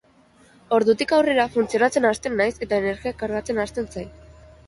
Ordutik aurrera, funtzionatzen hasten naiz eta energia kargatzen hasten zait.